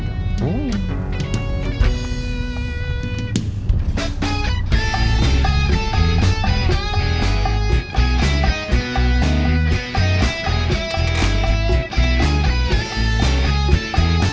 kenapa tidak bisa